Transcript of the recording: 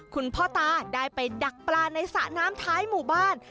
คุณพ่อตาได้ไปดักปลาในสระน้ำท้ายหมู่บ้าน